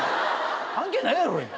関係ないやろ今。